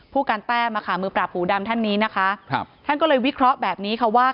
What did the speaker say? ผู้การแต้มมือปราบหูดำท่านนี้นะคะครับท่านก็เลยวิเคราะห์แบบนี้ค่ะว่า